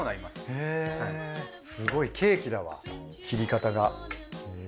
へぇすごいケーキだわ切り方が。